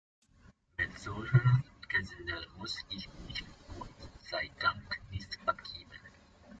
Mit solchem Gesindel muss ich mich Gott sei Dank nicht abgeben.